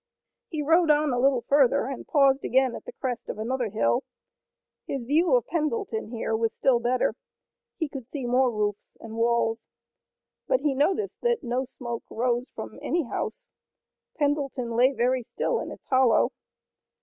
He rode on a little further and paused again at the crest of another hill. His view of Pendleton here was still better. He could see more roofs, and walls, but he noticed that no smoke rose from any house. Pendleton lay very still in its hollow.